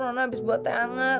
nona abis buat teh anget